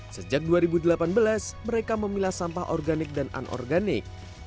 sejak dua ribu delapan belas mereka memilah sampah organik dan anorganik